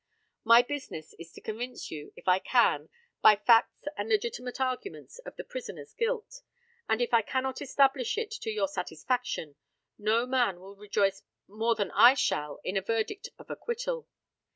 My business is to convince you, if I can, by facts and legitimate arguments, of the prisoner's guilt; and if I cannot establish it to your satisfaction, no man will rejoice more than I shall in a verdict of acquittal.